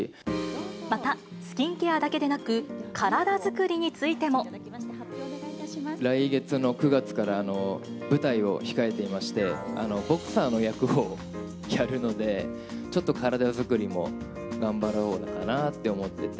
また、スキンケアだけでなく、来月の９月から舞台を控えていまして、ボクサーの役をやるので、ちょっと体作りも頑張ろうかなって思っていて。